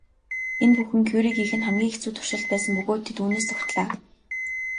Энэ бүхэн Кюрегийнхэнд хамгийн хэцүү туршилт байсан бөгөөд тэд үүнээс зугтлаа.